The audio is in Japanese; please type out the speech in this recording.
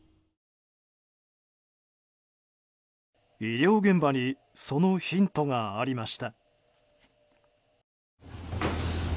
医療現場にそのヒントがありました。